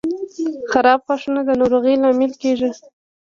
• خراب غاښونه د ناروغۍ لامل کیږي.